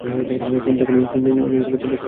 চিন্তা কোরো না মেয়ে।